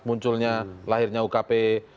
munculnya lahirnya ukp